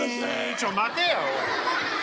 ちょ待てやおい。